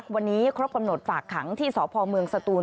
วันนี้ครบกำหนดฝากขังที่สพเมืองสตูน